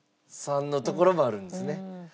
３のところもあるんですね。